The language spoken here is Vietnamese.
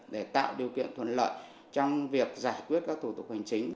để tạo điều kiện thuận lợi trong việc giải quyết các thủ tục hành chính